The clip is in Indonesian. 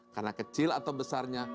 karena kecil atau besarnya